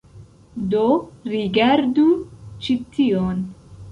Do, rigardu ĉi tion